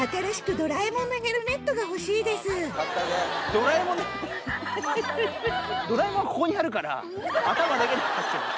ドラえもんはここにあるから頭だけ。